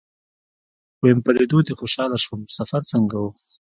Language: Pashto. ويم په ليدو دې خوشاله شوم سفر څنګه و.